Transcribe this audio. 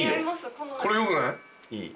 これ良くない？